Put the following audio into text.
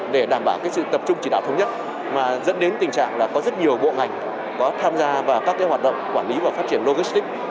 để đảm bảo sự tập trung chỉ đạo thống nhất mà dẫn đến tình trạng là có rất nhiều bộ ngành có tham gia vào các hoạt động quản lý và phát triển logistics